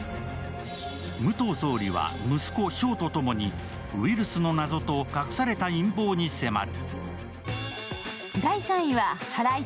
武藤総理は息子・翔とともに、ウイルスの謎と隠された陰謀に迫る。